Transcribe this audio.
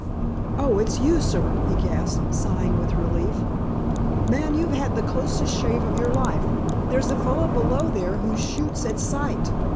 "Oh, it's you, sir!" he gasped, sighing with relief. "Man, you've had the closest shave of your life! There's a fellow below there who shoots at sight."